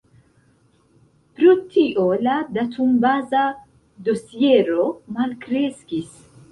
Pro tio la datumbaza dosiero malkreskis.